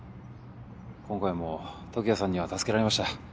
今回も時矢さんには助けられました。